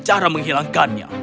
kita berhubung ke dirinya